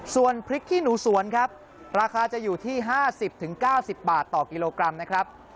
ส่วนพริกขี้หนูสวนครับราคาจะอยู่ที่๕๐๙๐บาทต่อกิโลกรัมนะครับ